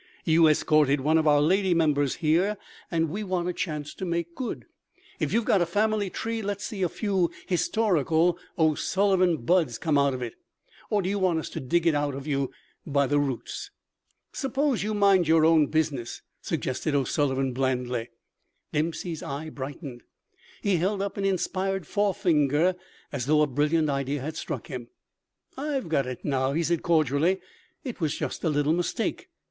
You escorted one of our lady members here, and we want a chance to make good. If you've got a family tree let's see a few historical O'Sullivan buds come out on it. Or do you want us to dig it out of you by the roots?" "Suppose you mind your own business," suggested O'Sullivan, blandly. Dempsey's eye brightened. He held up an inspired forefinger as though a brilliant idea had struck him. "I've got it now," he said cordially. "It was just a little mistake.